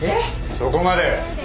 ・そこまで。